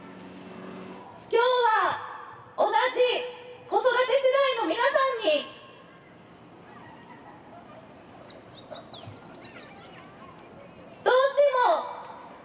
今日は同じ子育て世代の皆さんにどうしてもお力をお借りしたく。